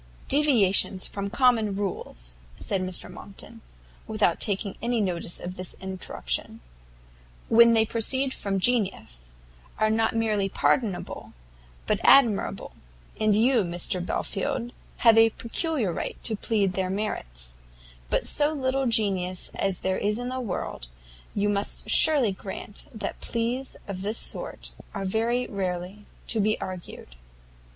"Deviations from common rules," said Mr Monckton, without taking any notice of this interruption, "when they proceed from genius, are not merely pardonable, but admirable; and you, Belfield, have a peculiar right to plead their merits; but so little genius as there is in the world, you must surely grant that pleas of this sort are very rarely to be urged."